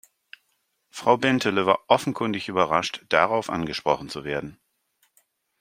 Frau Bentele war offenkundig überrascht, darauf angesprochen zu werden.